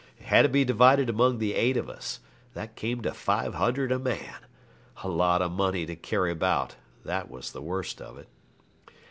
It had to be divided among the eight of us. That came to five hundred a man. A lot of money to carry about, that was the worst of it.